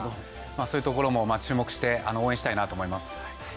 そういうところも注目して応援したいなと思います。